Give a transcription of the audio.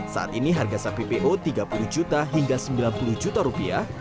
saat ini harga sapi po tiga puluh juta hingga sembilan puluh juta rupiah